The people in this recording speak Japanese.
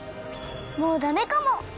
もうダメかも！